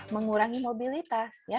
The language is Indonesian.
mengurangi mobilitas ya